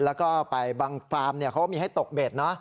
แล้วก็ไปบางฟาร์มเขาก็มีให้ตกเบ็ดนะ